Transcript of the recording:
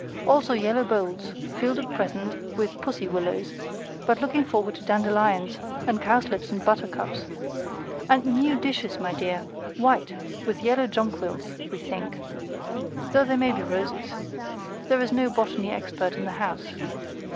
Also yellow bowls, filled at present with pussywillows, but looking forward to dandelions and cowslips and buttercups. And new dishes, my dear white, with yellow jonquils (we think), though they may be roses; there is no botany expert in the house.